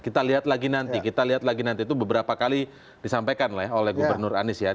kita lihat lagi nanti kita lihat lagi nanti itu beberapa kali disampaikan oleh gubernur anies ya